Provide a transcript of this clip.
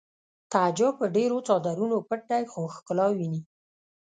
تعجب په ډېرو څادرونو پټ دی خو ښکلا ویني